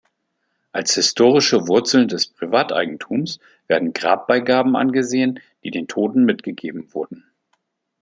Als historische Wurzeln des Privateigentums werden Grabbeigaben angesehen, die den Toten mitgegeben wurden.